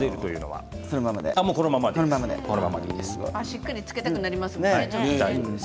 しっかりつけたくなりますけどね。